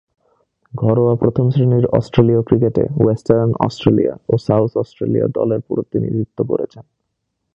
ঘরোয়া প্রথম-শ্রেণীর অস্ট্রেলীয় ক্রিকেটে ওয়েস্টার্ন অস্ট্রেলিয়া ও সাউথ অস্ট্রেলিয়া দলের প্রতিনিধিত্ব করেছেন।